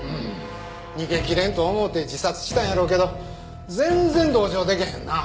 逃げきれんと思うて自殺したんやろうけど全然同情出来へんな。